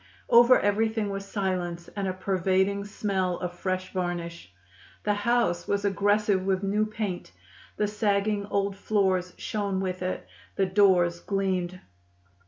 Over everything was silence and a pervading smell of fresh varnish. The house was aggressive with new paint the sagging old floors shone with it, the doors gleamed.